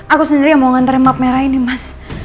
aku sendiri yang mau nganter emak merah ini mas